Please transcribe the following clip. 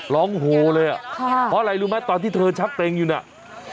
ร้องโฮเลยอะไรรู้ไหมตอนที่เธอชักเกร็งอยู่แหละ